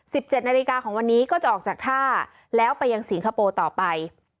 สิบเจ็ดนาฬิกาของวันนี้ก็จะออกจากท่าแล้วไปยังสิงคโปร์ต่อไป